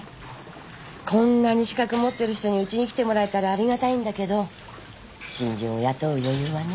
こんなに資格持ってる人にうちに来てもらえたらありがたいんだけど新人を雇う余裕はね